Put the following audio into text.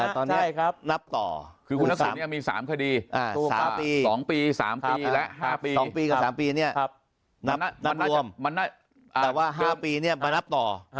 แต่ตอนนี้นับต่อ